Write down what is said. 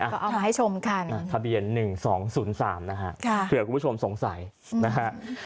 ก็เอามาให้ชมค่ะอ่าทะเบียนหนึ่งสองศูนย์สามนะฮะค่ะเผื่อคุณผู้ชมสงสัยอืมนะฮะ